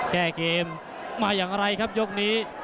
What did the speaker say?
แก้เกมมาอย่างไรครับยกนี้